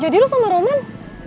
jadi lu sama roman